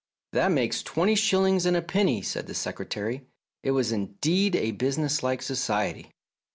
"That makes twenty shillings and a penny," said the Secretary. It was indeed a businesslike Society.